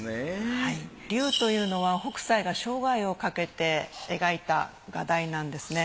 はい龍というのは北斎が生涯をかけて描いた画題なんですね。